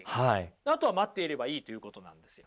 あとは待っていればいいということなんですよ。